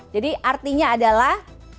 jadi artinya adalah